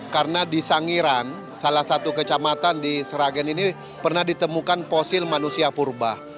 karena di sangiran salah satu kecamatan di seragian ini pernah ditemukan posil manusia purba